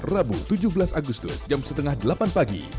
rabu tujuh belas agustus jam setengah delapan pagi